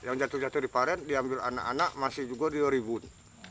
yang jatuh jatuh di paren diambil anak anak masih juga di oribun